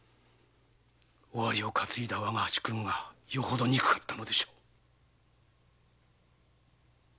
尾張を担いだ我が主君がよほど憎かったのでしょう。